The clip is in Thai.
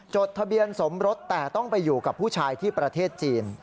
จดทะเบียนสมรสแต่ต้องไปอยู่กับผู้ชายที่ประเทศจีน